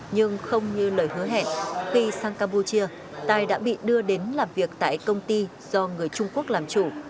nhưng không như lời hứa hẹn khi sang campuchia tài đã bị đưa đến làm việc tại công ty do người trung quốc làm chủ